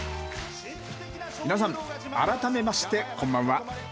皆さん改めましてこんばんは。